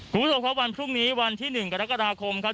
ครูโทษพร้อมวันพรุ่งนี้วันที่๑กรกฎาคมครับ